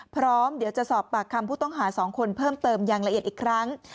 พร้อมเดี๋ยวจะสอบปากคำผู้ต้องหา๒คนเพิ่มเติมอย่างละเอียดอีกครั้ง